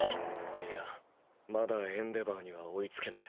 いやまだエンデヴァーには追いつけねぇ。